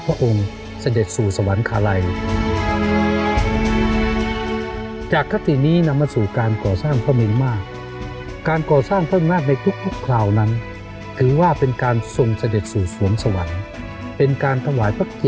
พระองค์เสด็จสู่สวรรคาลัย